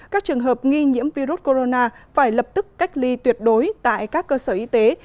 các trường hợp nghi nhiễm virus corona phải lập tức cách ly tuyệt đối tại các cơ sở y tế